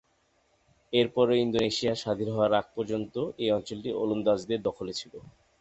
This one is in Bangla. এরপরে ইন্দোনেশিয়া স্বাধীন হওয়ার আগে পর্যন্ত এই অঞ্চলটি ওলন্দাজদের দখলে ছিল।